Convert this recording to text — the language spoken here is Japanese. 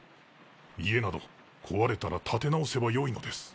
家など壊れたら建て直せばよいのです。